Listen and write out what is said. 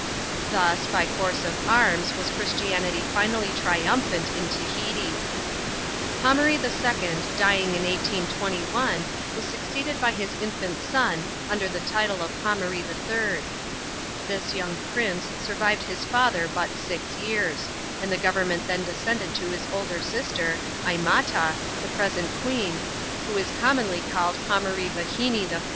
Thus, by force of arms was Christianity finally triumphant in Tahiti. Pomaree II., dying in 1821, was succeeded by his infant son, under the title of Pomaree III. This young prince sur vived his father but six years; and the government then descended to his elder sister, Aimata, the present queen, who is commonly called Pomaree Vahinee I.